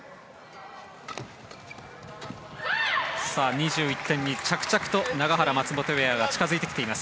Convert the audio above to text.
２１点に着々と永原、松本ペアが近づいてきています。